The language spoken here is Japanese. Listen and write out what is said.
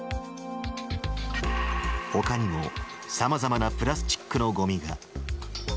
ほかにも、さまざまなプラスチックのごみが。